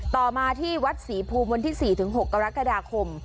ต่อมาที่วัดศรีภูมิวันที่๔๖กรกฎาคม